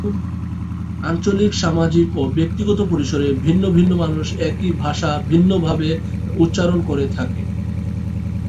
আঞ্চলিক, সামাজিক ও ব্যক্তিগত পরিসরে ভিন্ন ভিন্ন মানুষ একই ভাষা ভিন্নভাবে উচ্চারণ করে থাকে।